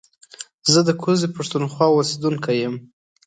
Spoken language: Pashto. زه د کوزې پښتونخوا اوسېدونکی يم